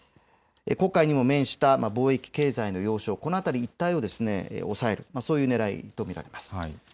黒海にも面した貿易、経済の要衝、この辺り一帯を抑える、そういうねらいと見られます。